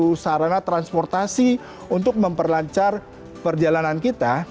sebagai salah satu sarana transportasi untuk memperlancar perjalanan kita